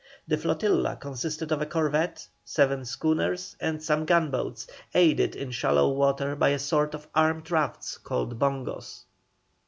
The flotilla consisted of a corvette, seven schooners, and some gunboats, aided in shallow water by a sort of armed rafts called "bongos."